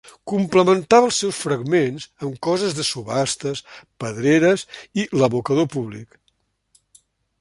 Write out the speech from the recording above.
Complementava els seus fragments amb coses de subhastes, pedreres i l'abocador públic.